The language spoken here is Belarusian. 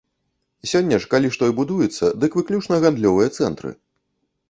Сёння ж, калі што і будуецца, дык выключна гандлёвыя цэнтры.